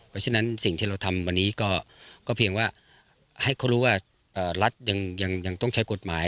เพราะฉะนั้นสิ่งที่เราทำวันนี้ก็เพียงว่าให้เขารู้ว่ารัฐยังต้องใช้กฎหมาย